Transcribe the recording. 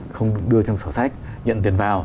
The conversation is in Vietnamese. không đưa trong sổ sách nhận tiền vào